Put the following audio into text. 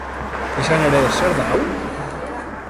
Izan ere, zer da hau?